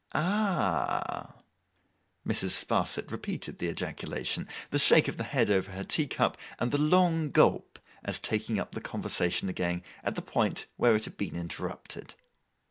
'Ah—h!' Mrs. Sparsit repeated the ejaculation, the shake of the head over her tea cup, and the long gulp, as taking up the conversation again at the point where it had been interrupted.